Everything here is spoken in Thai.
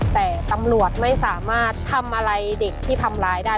แต่ตำรวจไม่สามารถทำอะไรเด็กที่ทำร้ายได้